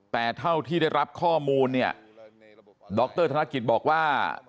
แต่เท่าที่ได้รับข้อมูลดรธนกฤษจิตอารีย์บอกว่า